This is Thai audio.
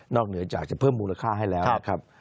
เหนือจากจะเพิ่มมูลค่าให้แล้วนะครับ